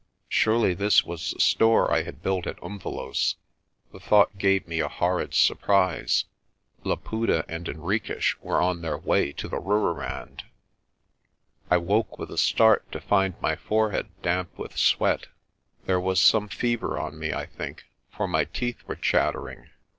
Surely this was the store I had built at Umvelos'. The thought gave me a horrid surprise. Laputa and Henriques were on their way to the Rooirand! I woke with a start to find my forehead damp with sweat. There was some fever on me, I think, for my teeth were chattering.